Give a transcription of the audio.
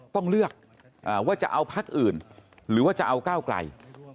ต้องเลือกว่าจะเอาพักอื่นหรือว่าจะเอาก้าวไกล